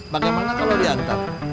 bagaimana kalau diantar